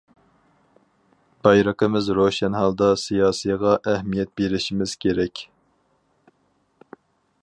بايرىقىمىز روشەن ھالدا سىياسىيغا ئەھمىيەت بېرىشىمىز كېرەك.